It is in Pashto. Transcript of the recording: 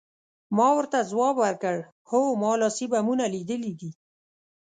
ما ورته ځواب ورکړ، هو، ما لاسي بمونه لیدلي دي.